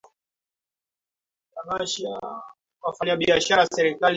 kufanya mikutano ili mradi hawavuji sheria